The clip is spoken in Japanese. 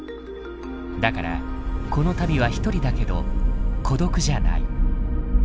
だからこの旅は一人だけど孤独じゃない。